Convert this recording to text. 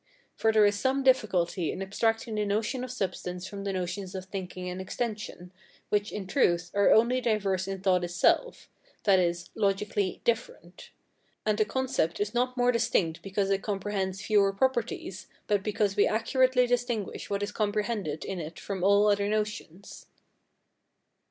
For there is some difficulty in abstracting the notion of substance from the notions of thinking and extension, which, in truth, are only diverse in thought itself (i.e., logically different); and a concept is not more distinct because it comprehends fewer properties, but because we accurately distinguish what is comprehended in it from all other notions.